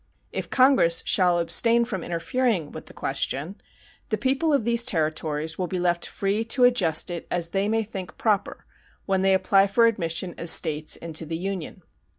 If Congress shall abstain from interfering with the question, the people of these territories will be left free to adjust it as they may think proper when they apply for admission as States into the Union.